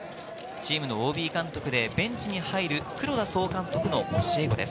チームのＯＢ監督でベンチに入る黒田総監督の教え子です。